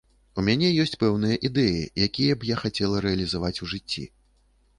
У мяне ёсць пэўныя ідэі, якія б я хацела рэалізаваць у жыцці.